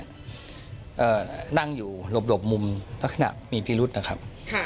ตัวนี้นั่งอยู่หลบมุมแล้วขณะมีพิรุษนะครับ